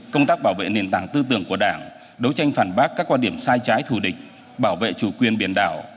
công tác bảo vệ nền tảng tư tưởng của đảng đấu tranh phản bác các quan điểm sai trái thù địch bảo vệ chủ quyền biển đảo